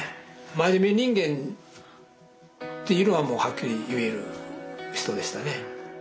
真面目人間っていうのはもうはっきり言える人でしたね。